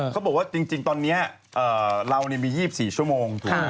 เค้าบอกว่าจริงตอนนี้เรามี๒๔ชั่วโมง